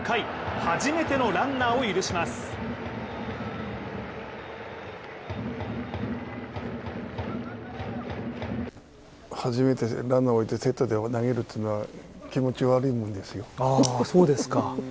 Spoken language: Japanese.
初めてランナーを置いてセットで投げるっていうのは気持ち悪いもんですよ。